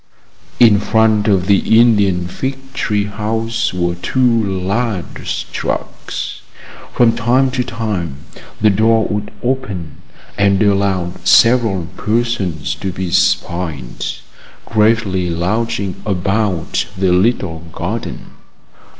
In front of the Indian fig tree house were two large trucks. From time to time the door would open, and allow several persons to be spied, gravely lounging about the little garden.